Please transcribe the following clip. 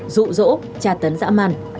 rụ rỗ trà tấn dã man